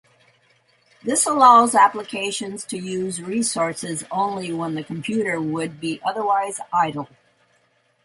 This allows applications to use resources only when the computer would be otherwise idle.